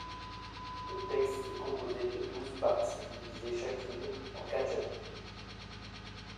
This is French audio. Le texte est composé de douze parties divisées chacune en quatre chapitres.